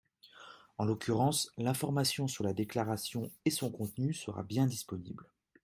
En l’occurrence, l’information sur la déclaration et son contenu sera bien disponible.